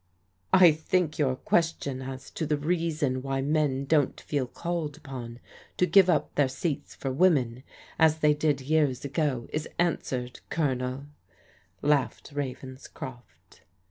" I think your question as to the reason why men don't feel called upon to give up their seats for women as they did years ago is answered, Colonel," laughed Ravens croft.